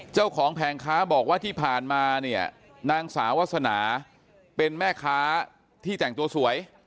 แผงค้าบอกว่าที่ผ่านมาเนี่ยนางสาวาสนาเป็นแม่ค้าที่แต่งตัวสวย